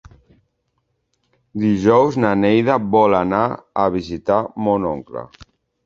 Dijous na Neida vol anar a visitar mon oncle.